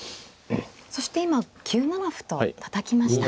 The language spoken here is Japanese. そして今９七歩とたたきました。